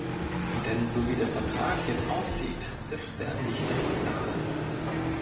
Denn so wie der Vertrag jetzt aussieht, ist er nicht akzeptabel.